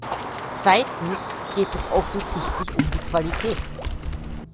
Zweitens geht es offensichtlich um die Qualität.